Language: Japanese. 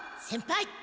先輩！